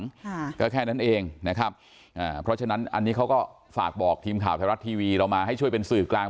ค่ะก็แค่นั้นเองนะครับอ่าเพราะฉะนั้นอันนี้เขาก็ฝากบอกทีมข่าวไทยรัฐทีวีเรามาให้ช่วยเป็นสื่อกลาง